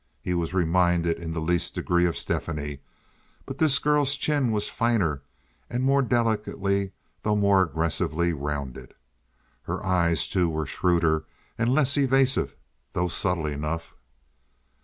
He was reminded in the least degree of Stephanie; but this girl's chin was firmer and more delicately, though more aggressively, rounded. Her eyes, too, were shrewder and less evasive, though subtle enough.